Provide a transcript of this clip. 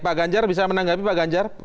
pak ganjar bisa menanggapi pak ganjar